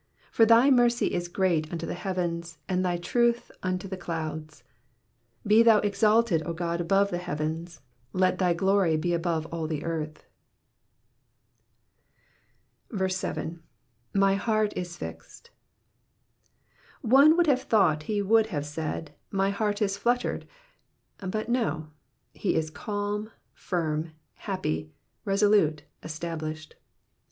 ID For thy mercy is great unto the heavens, and thy truth . unto the clouds. 1 1 Be thou exalted, O God, above the heavens : let thy glory be above all the earth. Digitized by VjOOQIC PSALM THE PIFTT SBVElirrH. 51 7. *' My "heart U fixed,'''' One would have thought he would have said, My heart is fluttered ;" but no, he is cahn, firm, happy, resolute, established.